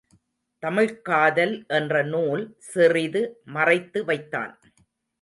தமிழ்க்காதல் என்ற நூல் சிறிது மறைத்து வைத்தான்.